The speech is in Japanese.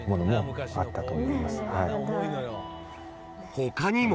［他にも］